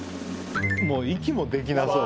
もう息もできなそう。